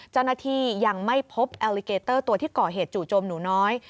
เจ้าหน้าที่ยังไม่พบแอลลิเกเตอร์ตัวที่ก่อเหตุจู่โจมหนูน้อย